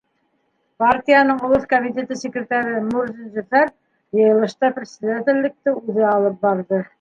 Партияның олоҫ комитеты секретары Мурзин Зөфәр йыйылышта председателлекте үҙе алып барҙы.